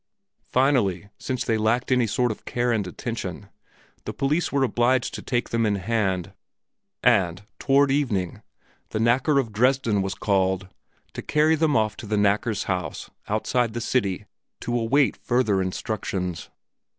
Finally, since they lacked any sort of care and attention, the police were obliged to take them in hand, and, toward evening, the knacker of Dresden was called to carry them off to the knacker's house outside the city to await further instructions.